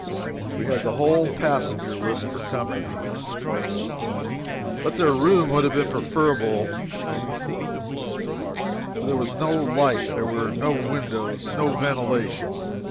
We had the whole passenger list for company, but their room would have been preferable, for there was no light, there were no windows, no ventilation.